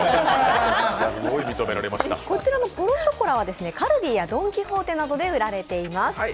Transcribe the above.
こちらのポロショコラはカルディやドン・キホーテなどで売られています。